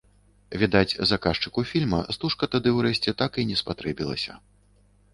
Відаць, заказчыку фільма стужка тады ўрэшце так і не спатрэбілася.